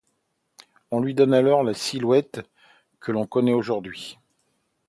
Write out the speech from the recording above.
On lui donne alors la silhouette que l’on connait aujourd’hui.